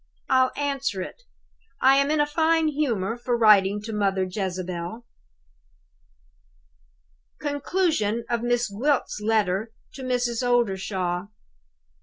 I'll answer it. I am in a fine humor for writing to Mother Jezebel." Conclusion of Miss Gwilt's Letter to Mrs. Oldershaw.